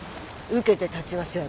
受けて立ちますよ